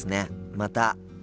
また。